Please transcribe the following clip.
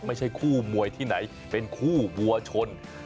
ไม่ใช่คู่มวยที่ไหนเป็นคู่วัวชน